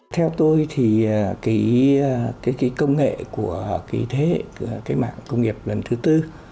theo tôi thì cái công nghệ của thế hệ cách mạng công nghiệp lần thứ tư